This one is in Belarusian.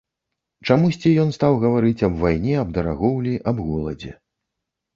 Чамусьці ён стаў гаварыць аб вайне, аб дарагоўлі, аб голадзе.